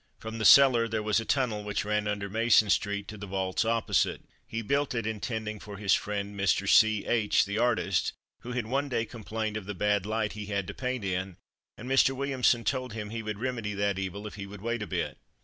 From the cellar there was a tunnel which ran under Mason street to the vaults opposite. He built it intending it for his friend, Mr. C. H , the artist, who had one day complained of the bad light he had to paint in, and Mr. Williamson told him he would remedy that evil if he would wait a bit.